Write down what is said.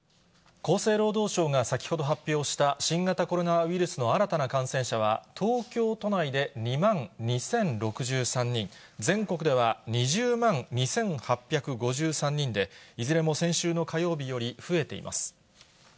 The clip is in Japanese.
厚生労働省が先ほど発表した新型コロナウイルスの新たな感染者は、東京都内で２万２０６３人、全国では２０万２８５３人で、いずれも先週の火曜日より増えています。